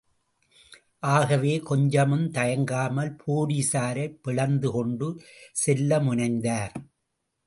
ஆகவே கொஞ்சமும் தயங்காமல் போலீசாரைப் பிளந்து கொண்டு செல்லமுனைந்தார்.